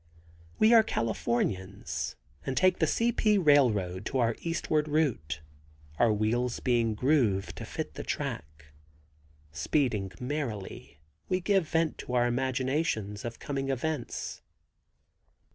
We are Californians and take the C. P. railroad for our eastward route, our wheels being grooved to fit the track. Speeding merrily, we give vent to our imaginations of coming events.